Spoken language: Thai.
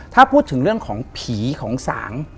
ถ้าพูดถึงเรื่องของผีของสาง